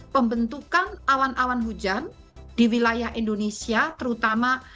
pembentukan awan awan hujan di wilayah indonesia terutama